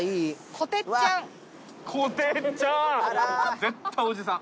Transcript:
こてっちゃん！